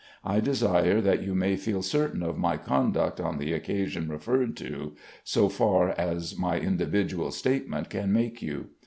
I desire that you may feel certain of my conduct on the occasion referred to, so far as my individual statement can make you.